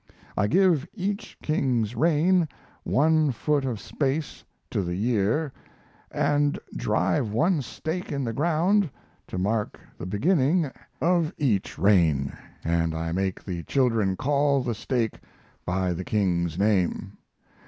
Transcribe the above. I give each king's reign one foot of space to the year and drive one stake in the ground to mark the beginning of each reign, and I make the children call the stake by the king's name.